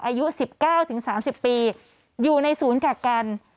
อายุ๑๙๓๐ปีอยู่ในศูนย์กักกัน